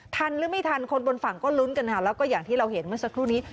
หรือไม่ทันคนบนฝั่งก็ลุ้นกันค่ะแล้วก็อย่างที่เราเห็นเมื่อสักครู่นี้